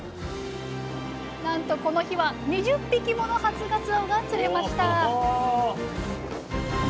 なんとこの日は２０匹もの初がつおが釣れました！